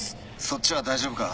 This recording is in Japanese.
そっちは大丈夫か？